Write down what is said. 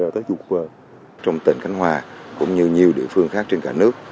trong tỉnh khánh hòa cũng như nhiều địa phương khác trên cả nước